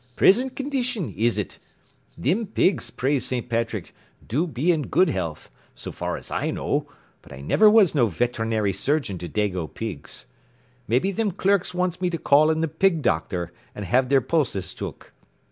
'Prisint condition, 'is ut? Thim pigs, praise St. Patrick, do be in good health, so far as I know, but I niver was no veternairy surgeon to dago pigs. Mebby thim clerks wants me to call in the pig docther an' have their pulses took.